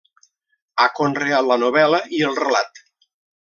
Ha conreat la novel·la i el relat.